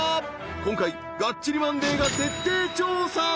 今回「がっちりマンデー‼」が徹底調査！